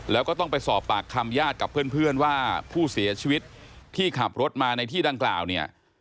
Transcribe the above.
แล้วก็ต้องไปสอบปากคำญาติกับเพื่อนว่าผู้เสียชีวิตที่ขับรถมาในที่ดังกล่าวเนี่ย